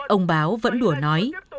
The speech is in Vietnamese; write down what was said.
ông báo vẫn đùa nói